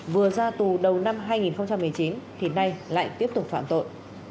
vừa ra tù đầu năm hai nghìn một mươi chín thì nay lại tiếp tục phạm tội